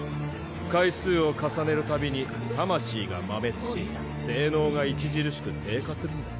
回数を重ねる度に魂が摩滅し性能が著しく低下するんだ。